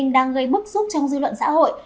đang gây bức xúc trong dư luận xã hội